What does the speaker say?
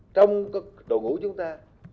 trong đội ngũ chúng ta